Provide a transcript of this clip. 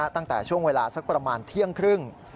ตั้งแต่ช่วงเวลาสักประมาณเที่ยงครึ่ง